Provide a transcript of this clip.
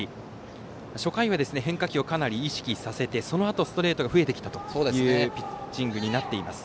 初回は変化球をかなり意識させてそのあとストレートが増えてきたというピッチングになっています。